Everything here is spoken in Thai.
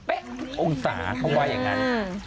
แม่จะหยุดว่าเป๊ะองศาเข้าไปอย่างงั้น